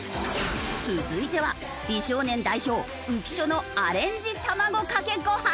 続いては美少年代表浮所のアレンジ卵かけご飯。